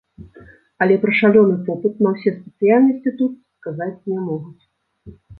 Але пра шалёны попыт на ўсе спецыяльнасці тут сказаць не могуць.